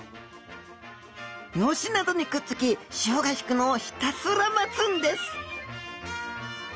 葦などにくっつき潮が引くのをひたすら待つんです